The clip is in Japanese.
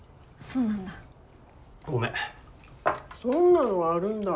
そんなのがあるんだ。